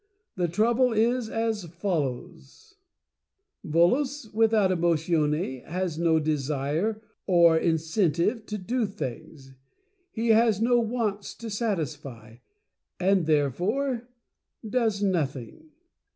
The trouble is as follows : VOLOS WITHOUT EMOTIONE. "Volos, without Emotione, has no Desire or incen tive to Do Things. He has no wants to satisfy, and therefore Does Nothing.